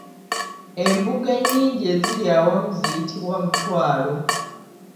Embugo ennyingi eziri awamu ziyitibwa Mutwalo.